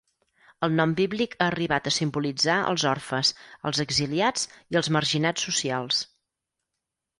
El nom bíblic ha arribat a simbolitzar els orfes, els exiliats i els marginats socials.